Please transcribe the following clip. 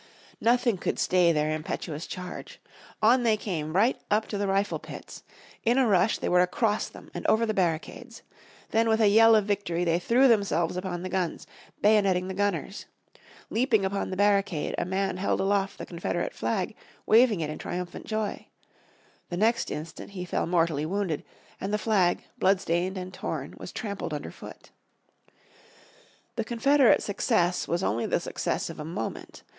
Nothing could stay their impetuous charge. On they came right up to the rifle pits. In a rush they were across them, and over the barricades. Then with a yell of victory they threw themselves upon the guns, bayoneting the gunners. Leaping upon the barricade a man held aloft the Confederate flag, waving it in triumphant joy. The next instant he fell mortally wounded, and the flag, bloodstained and torn, was trampled under foot. The Confederate success was only the success of a moment.